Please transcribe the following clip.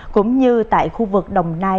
cũng như tại khu vực đồng nai